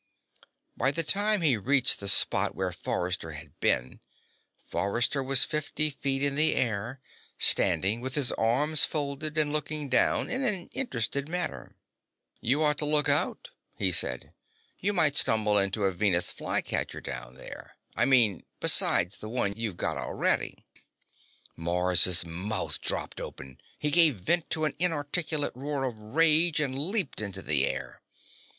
By the time he reached the spot where Forrester had been, Forrester was fifty feet in the air, standing with his arms folded and looking down in an interested manner. "You ought to watch out," he said. "You might stumble into a Venus Flycatcher down there. I mean besides the one you've got already." Mars' mouth dropped open. He gave vent to an inarticulate roar of rage and leaped into the air.